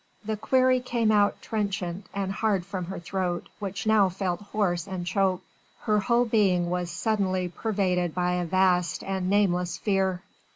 The query came out trenchant and hard from her throat which now felt hoarse and choked. Her whole being was suddenly pervaded by a vast and nameless fear.